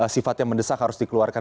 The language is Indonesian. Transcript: sifatnya mendesak harus dikeluarkan